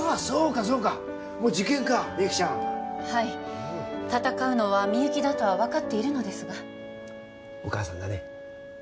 そうかそうかもう受験かみゆきちゃんはい戦うのはみゆきだとは分かっているのですがお母さんだね